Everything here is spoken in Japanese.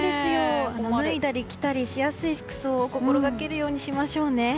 脱いだり着たりしやすい服装を心がけるようにしましょうね。